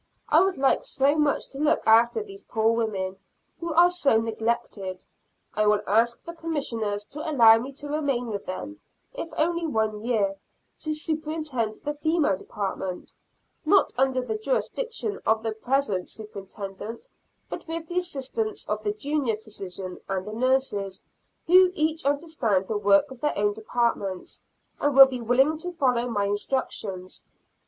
I would like so much to look after these poor women, who are so neglected. I will ask the Commissioners to allow me to remain with them, if only one year, to superintend the female department, not under the jurisdiction of the present Superintendent, but with the assistance of the Junior Physician and the nurses, who each understand the work of their own departments, and will be willing to follow my instructions.